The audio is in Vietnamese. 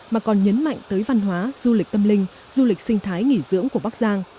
mà còn nhấn mạnh tới văn hóa du lịch tâm linh du lịch sinh thái nghỉ dưỡng của bắc giang